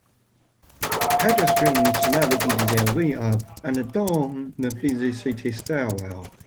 Pedestrians navigate their way up and down a busy city stairwell.